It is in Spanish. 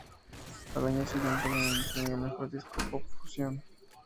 Al año siguiente ganan el Premio al mejor disco pop-fusión.